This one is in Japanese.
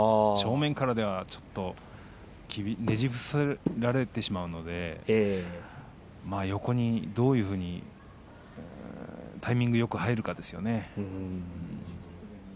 正面からではちょっとねじ伏せられてしまうので横にどういうふうにタイミングよく入るかですね。